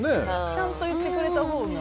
ちゃんと言ってくれたほうが。